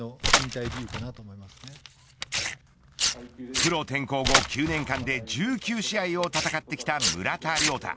プロ転向後９年間で１９試合を戦ってきた村田諒太。